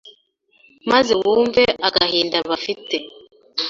maze wumve agahinda bafite